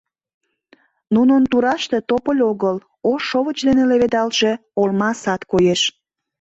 Нунын тураште тополь огыл, ош шовыч дене леведалтше олма сад коеш.